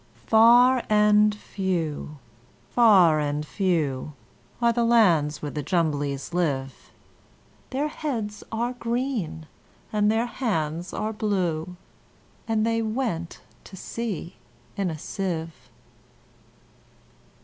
Far and few, far and few, Are the lands where the Jumblies live: Their heads are green, and their hands are blue; And they went to sea in a sieve.